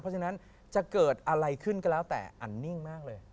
เพราะฉะนั้นจะเกิดอะไรขึ้นก็แล้วแต่อันนิ่งมากเลย